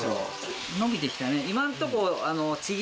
延びてきたね。